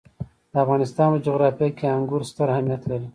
د افغانستان په جغرافیه کې انګور ستر اهمیت لري.